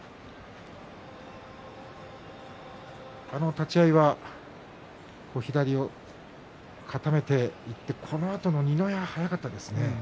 立ち合いは左を固めていって二の矢が早かったですね。